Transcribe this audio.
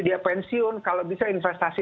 dia pensiun kalau bisa investasi